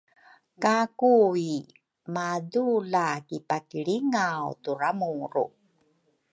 ka Kui madula kipakilingau turamuru.